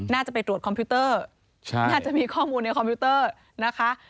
น่าจะไปตรวจคอมพิวเตอร์น่าจะมีข้อมูลในคอมพิวเตอร์นะคะ